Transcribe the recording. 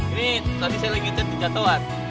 ini tadi saya lagi ngejatuhkan jatuhan